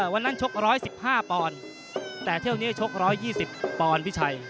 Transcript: วันนั้นชก๑๑๕ปอนแต่เท่านี้ชก๑๒๐ปอนพี่ชัย